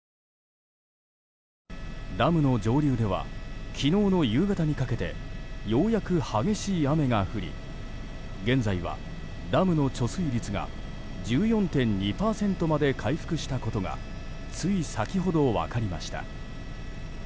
ダムの上流では昨日の夕方にかけてようやく激しい雨が降り現在は、ダムの貯水率が１４．２％まで回復したことがつい先ほど分かりました。